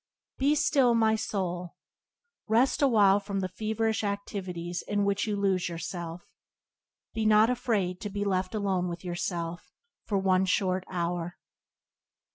"Be still, my soul. Rest awhile from the feverish activities in which you lose yourself. Be not afraid to be left alone with yourself for one short hour."